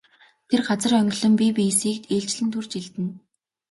Тэд газар онгилон бие биесийг ээлжлэн түрж элдэнэ.